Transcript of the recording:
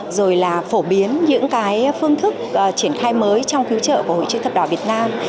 rồi là phổ biến những cái phương thức triển khai mới trong cứu trợ của hội chữ thập đỏ việt nam